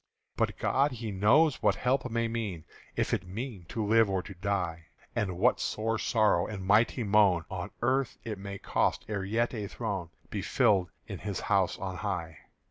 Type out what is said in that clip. But God He knows what help may mean, If it mean to live or to die; And what sore sorrow and mighty moan On earth it may cost ere yet a throne Be filled in His house on high.